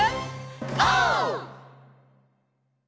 オー！